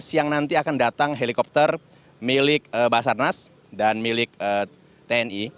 siang nanti akan datang helikopter milik basarnas dan milik tni